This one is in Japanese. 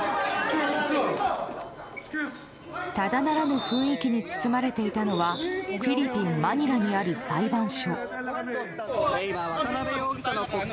ただならぬ雰囲気に包まれていたのはフィリピン・マニラにある裁判所。